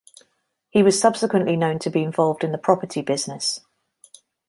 He was subsequently known to be involved in the property business.